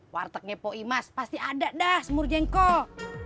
wartegnya po imas pasti ada dah semur jengkol